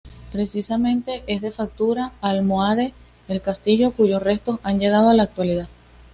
Precisamente es de factura almohade el castillo cuyos restos han llegado a la actualidad.